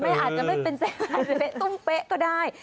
ไม่อาจจะเป็นเส้นอาจจะเป็นตุ้มเป๊ะก็ได้